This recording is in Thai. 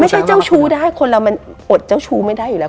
เจ้าชู้ได้คนเรามันอดเจ้าชู้ไม่ได้อยู่แล้ว